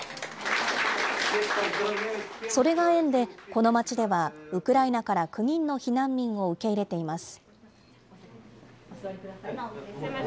それが縁でこの町では、ウクライナから９人の避難民を受け入れています。